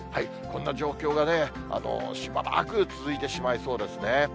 こんな状況がしばらく続いてしまいそうですね。